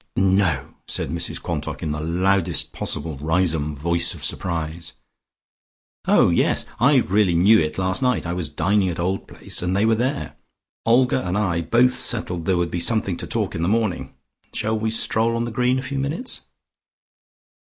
"No!" said Mrs Quantock in the loudest possible Riseholme voice of surprise. "Oh, yes. I really knew it last night. I was dining at Old Place and they were there. Olga and I both settled there would be something to talk in the morning. Shall we stroll on the green a few minutes?"